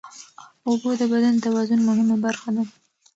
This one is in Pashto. اوبه د بدن د توازن مهمه برخه ده.